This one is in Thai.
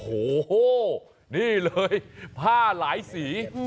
โอ้โหนี่เลยผ้าหลายสี